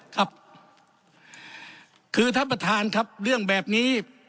ครับคือท่านประธานครับเรื่องแบบนี้